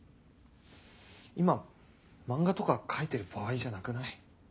今漫画とか描いてる場合じゃなくない？